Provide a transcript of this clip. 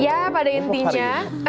ya pada intinya